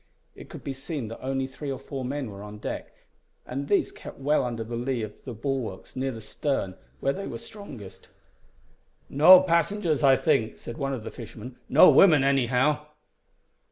It could be seen that only three or four men were on deck, and these kept well under the lee of the bulwarks near the stern where they were strongest. "No passengers, I think," said one of the fishermen; "no women, anyhow."